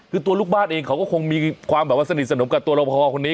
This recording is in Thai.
คือตัวลูกบ้านเองเขาก็คงมีความแบบว่าสนิทสนมกับตัวเราพอคนนี้